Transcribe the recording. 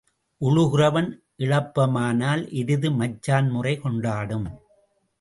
உழுகிறவன் இளப்பமானால் எருது மச்சான் முறை கொண்டாடும்.